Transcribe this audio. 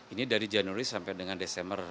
ini dari januari sampai dengan desember